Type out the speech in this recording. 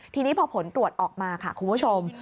ทีนี้พอผลตรวจออกมาค่ะคุณผู้ชม